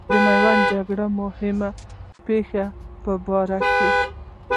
د میوند د جنګ د مهمې پیښې په باره کې.